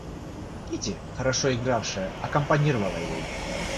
Кити, хорошо игравшая, акомпанировала ей.